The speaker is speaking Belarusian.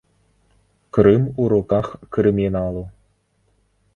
Крым у руках крыміналу.